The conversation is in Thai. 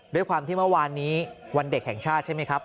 ด้วยความที่เมื่อวานนี้วันเด็กแห่งชาติใช่ไหมครับ